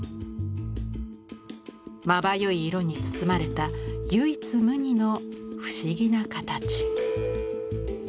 まばゆい色に包まれた唯一無二の不思議なかたち。